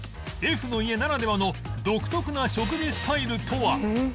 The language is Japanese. Ｆ の家ならではの独特な食事スタイルとは？